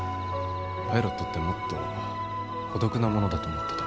パイロットってもっと孤独なものだと思ってた。